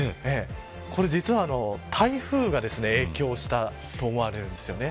これ実は、台風が影響したと思われるんですよね。